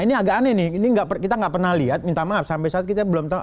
ini agak aneh nih ini kita nggak pernah lihat minta maaf sampai saat kita belum tahu